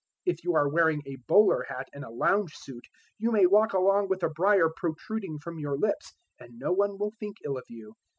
If you are wearing a bowler hat and a lounge suit you may walk along with a briar protruding from your lips, and no one will think ill of you.